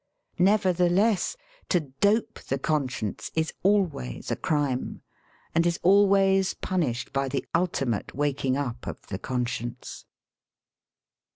Nevertheless, to dope the conscience is always a crime, and is al ways punished by the ultimate waking up of the conscience.